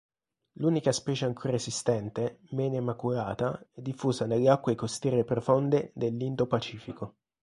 L'unica specie ancora esistente, "Mene maculata", è diffusa nelle acque costiere profonde dell'Indo-Pacifico.